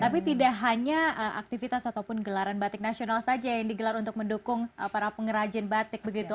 tapi tidak hanya aktivitas ataupun gelaran batik nasional saja yang digelar untuk mendukung para pengrajin batik begitu